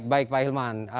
baik pak hilman